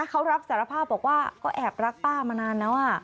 เขารับสารภาพบอกว่าก็แอบรักป้ามานานแล้ว